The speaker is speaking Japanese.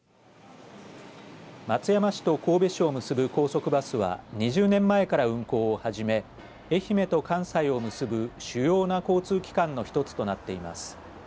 松山市と神戸市を結ぶ高速バスは２０年前から運行を始め愛媛と関西を結ぶ主要な交通機関の１つとなっています。